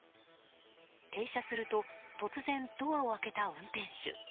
停車すると突然ドアを開けた運転手。